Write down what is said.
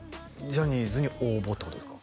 ジャニーズに応募ってことですか？